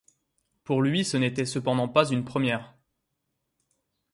Pour lui ce n'était cependant pas une première.